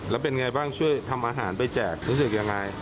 แล้วเป็นไงบ้างช่วยทำอาหารไปแจกรู้สึกยังไง